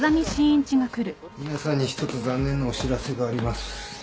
皆さんに１つ残念なお知らせがあります。